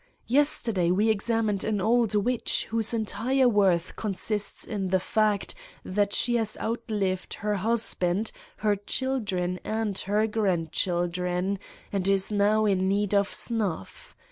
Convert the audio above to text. Yesterday we examined an old witch whose entire worth consists in the fact that she has outlived her husband, her children and her grandchildren, and is now in need of snuff.